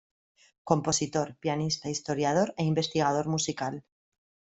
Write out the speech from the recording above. Compositor, pianista, historiador e investigador musical.